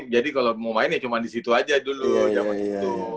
jadi kalau mau main ya cuma disitu aja dulu jaman itu